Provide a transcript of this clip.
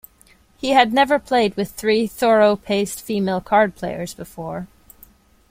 He had never played with three thorough-paced female card-players before.